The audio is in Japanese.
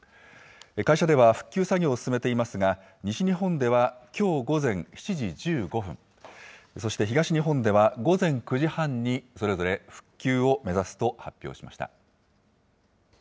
会社では復旧作業を進めていますが、西日本ではきょう午前７時１５分、そして東日本では午前９時半にそれぞれ復旧を目指すと発表